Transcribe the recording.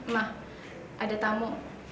ma ada tamu